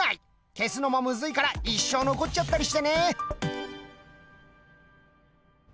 消すのもムズいから一生残っちゃったりしてね。